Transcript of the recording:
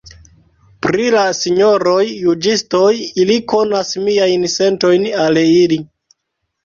Pri la sinjoroj juĝistoj, ili konas miajn sentojn al ili.